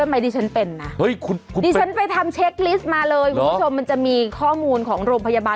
กว่าห้าข้อนแล้วเป็นนานสองสัปดาห์ขึ้นไปอ๋อ